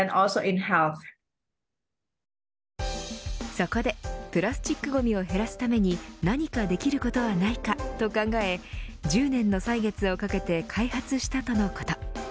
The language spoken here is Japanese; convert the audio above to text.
そこで、プラスチックごみを減らすために何かできることはないかと考え１０年の歳月をかけて開発したとのこと。